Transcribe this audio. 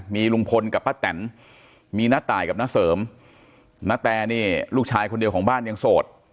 มีลุงพลกับป้าแตนมีน้าตายกับน้าเสริมณแต่นี่ลูกชายคนเดียวของบ้านยังโสด